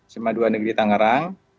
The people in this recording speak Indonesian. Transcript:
sma dua negeri tangerang